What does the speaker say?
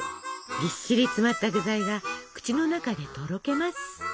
ぎっしり詰まった具材が口の中でとろけます。